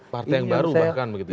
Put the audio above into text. partai yang baru bahkan begitu ya